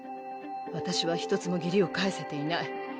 私はひとつも義理を返せていない。